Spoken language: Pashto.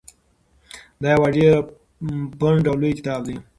دا یو ډېر پنډ او لوی کتاب دی.